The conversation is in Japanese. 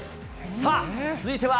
さあ、続いては。